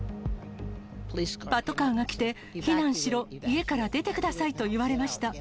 パトカーが来て、避難しろ、家から出てくださいと言われました。